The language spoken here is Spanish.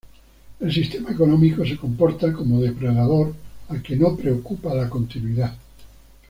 El sistema económico se comporta como depredador al que no preocupa la continuidad".